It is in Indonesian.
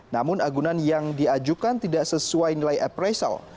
namun agunan yang diajukan tidak sesuai nilai appraisal